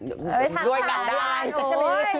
ทานกันได้